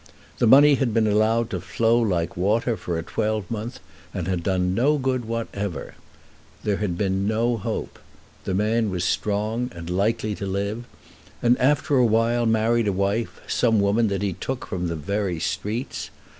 The money had been allowed to flow like water for a twelvemonth, and had done no good whatever. There had then been no hope. The man was strong and likely to live, and after a while married a wife, some woman that he took from the very streets.